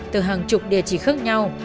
từ hàng chục địa chỉ khác nhau